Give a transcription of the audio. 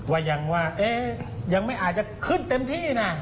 ว่ายังว่ายังไม่อาจจะขึ้นเต็มที่นะ